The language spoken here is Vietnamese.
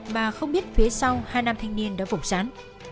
mà không biết phía sau hai nam thanh niên đã phục sán